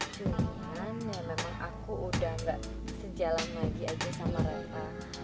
cuman ya memang aku udah gak sejalan lagi aja sama renta